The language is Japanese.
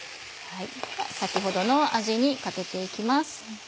先ほどのあじにかけて行きます。